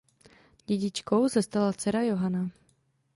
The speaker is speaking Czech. Dědičkou se stala dcera Johana.